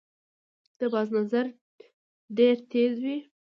د باز نظر ډیر تېز وي